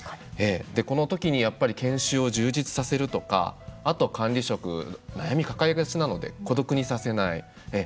この時に研修を充実させるとかあと管理職、悩み抱えがちなので孤独にさせない。